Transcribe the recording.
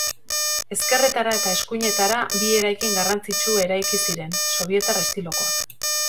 Ezkerretara eta eskuinetara, bi eraikin garrantzitsu eraiki ziren, sobietar estilokoak.